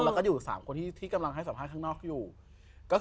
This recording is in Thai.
และ๓คนทนทที่กำลังให้สถานที่ข้างนอกขับที่คุณตั้งแสวร้าง